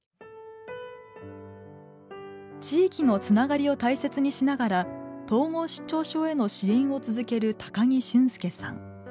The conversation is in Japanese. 地域のつながりを大切にしながら統合失調症への支援を続ける高木俊介さん。